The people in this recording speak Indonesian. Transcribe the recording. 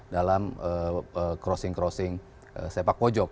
dalam crossing crossing sepak pojok